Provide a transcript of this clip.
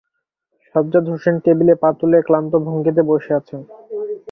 সাজ্জাদ হোসেন টেবিলে পা তুলে ক্লান্ত ভঙ্গিতে বসে আছেন।